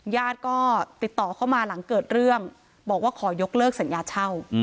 ญาติก็ติดต่อเข้ามาหลังเกิดเรื่องบอกว่าขอยกเลิกสัญญาเช่า